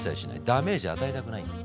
ダメージ与えたくない。